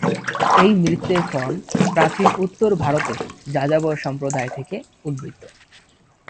এই নৃত্যের ফর্ম প্রাচীন উত্তর ভারতের যাযাবর সম্প্রদায় থেকে উদ্ভূত।